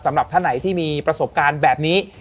สำหรับท่านไหนที่มีประสบการณ์แบบนี้